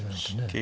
桂